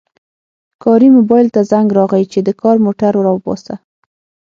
کاري موبایل ته زنګ راغی چې د کار موټر راوباسه